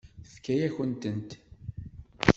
Tefka-yakent-tent.